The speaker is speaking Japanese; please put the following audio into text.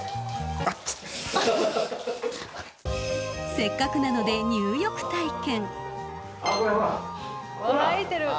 ［せっかくなので入浴体験］